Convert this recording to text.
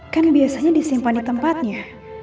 kan biasanya disimpan di tempatnya